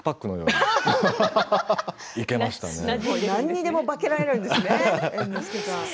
猿之助さんは何にでも化けられるんですね。